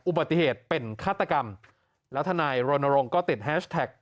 อุบัติเหตุเป็นฆาตกรรมแล้วทนายรณรงค์ก็ติดแฮชแท็ก